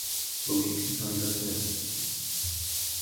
Slouží k signalizaci nebezpečí.